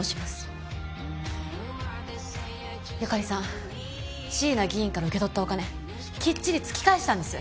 由加里さん椎名議員から受け取ったお金きっちり突き返したんです。